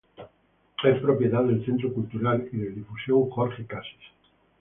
Es propiedad del Centro Cultural y de Difusión Jorge Cassis.